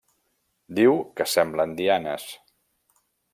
Diu que semblen dianes.